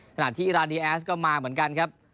ขณะที่ราดีแอสก็มาเหมือนกันครับ